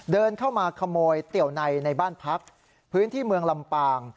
เดินเข้ามาขโมยเตี๋ยวในในบ้านพักพื้นที่เมืองลำปาง